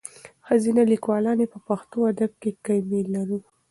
ښځینه لیکوالاني په پښتو ادب کښي کمي لرو.